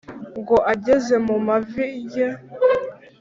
ngo angeze mumavi rye